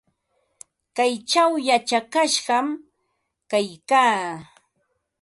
Kaychaw yachakashqam kaykaa.